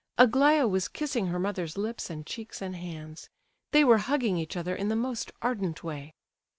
Aglaya was kissing her mother's lips and cheeks and hands; they were hugging each other in the most ardent way.